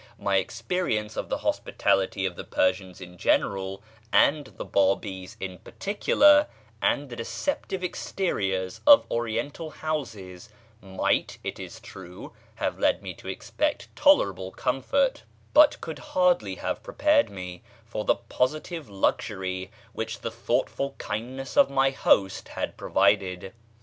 My experience of the hospitality of the Persians in general and the Bábís in particular, and the deceptive exteriors of Oriental houses, might, it is true, have led me to expect tolerable comfort, but could hardly have prepared me for the positive luxury which the thoughtful kindness of my host had provided.